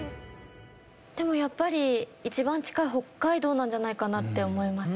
でもやっぱり一番近い北海道なんじゃないかなって思います。